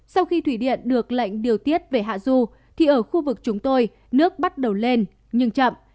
sau khi thủy điện được lệnh điều tiết về hạ du thì ở khu vực chúng tôi nước bắt đầu lên nhưng chậm